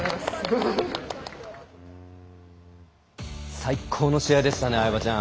最高の試合でしたね相葉ちゃん。